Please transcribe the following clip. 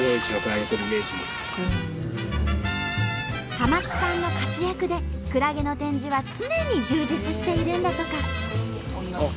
濱津さんの活躍でクラゲの展示は常に充実しているんだとか。